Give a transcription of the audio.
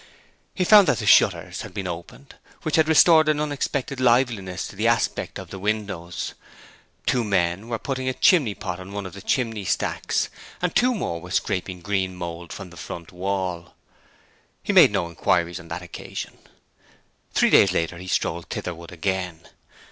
He found that the shutters had been opened, which had restored an unexpected liveliness to the aspect of the windows. Two men were putting a chimney pot on one of the chimney stacks, and two more were scraping green mould from the front wall. He made no inquiries on that occasion. Three days later he strolled thitherward again.